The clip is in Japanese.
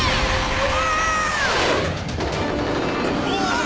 うわ！